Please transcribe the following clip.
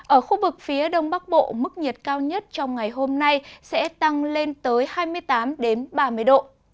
ở khu vực phía đông bắc bộ mức nhiệt cao nhất trong ngày hôm nay sẽ tăng lên tới hai mươi tám ba mươi độ